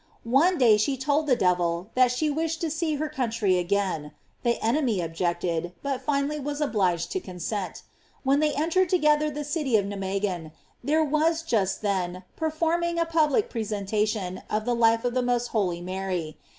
One day she told the devil that she wished to see her country again; the enemy objected, but finally was obliged to consent. When they entered together the city of ETimeguen, there was just then performing a public representation of the life of the most holy Mary.